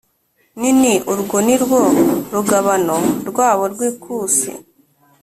Nini Urwo ni rwo rugabano rwabo rw ikusi